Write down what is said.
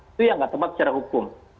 itu ya nggak tepat secara hukum